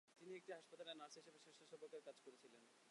তিনি একটি হাসপাতালে নার্স হিসাবে স্বেচ্ছাসেবকের কাজ করেছিলেন।